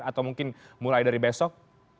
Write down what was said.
atau mungkin mulai dari besok